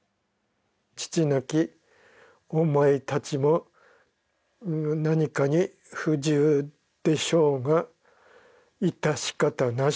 「父なきお前たちも何かに不自由でしょうが致し方なし」